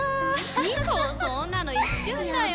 そんなの一瞬だよ。